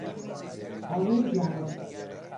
قانون جامع